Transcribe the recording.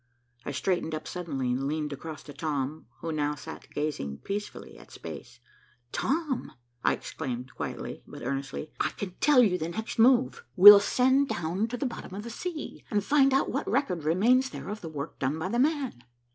I straightened up suddenly and leaned across to Tom, who now sat gazing peacefully at space. "Tom," I exclaimed quietly, but earnestly, "I can tell you the next move. We'll send down to the bottom of the sea, and find out what record remains there of the work done by 'the man.